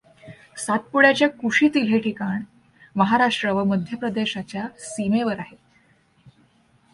सातपुड्याच्या कुशीतील हे ठिकाण महाराष्ट्र व मध्यप्रदेशाच्या सीमेवर आहे.